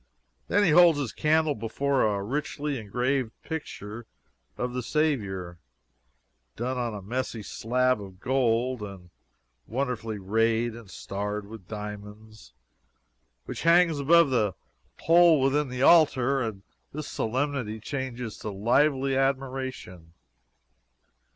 Then he holds his candle before a richly engraved picture of the Saviour, done on a messy slab of gold, and wonderfully rayed and starred with diamonds, which hangs above the hole within the altar, and his solemnity changes to lively admiration.